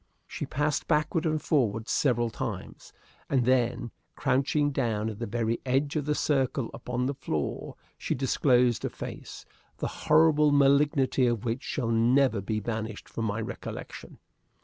She passed backward and forward several times, and then, crouching down at the very edge of the circle upon the floor, she disclosed a face, the horrible malignity of which shall never be banished from my recollection.